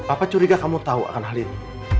apa curiga kamu tahu akan hal ini